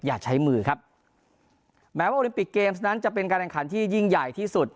อย่าใช้มือครับแม้ว่าโอลิมปิกเกมส์นั้นจะเป็นการแข่งขันที่ยิ่งใหญ่ที่สุด